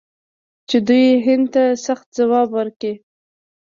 چې دوی هند ته سخت ځواب ورکړ.